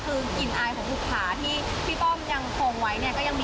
คือกลิ่นอายของบุกขาที่พี่ต้อมยังทรงไว้